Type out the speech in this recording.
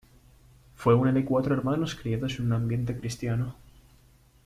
Fue una de cuatro hermanos criados en un ambiente cristiano.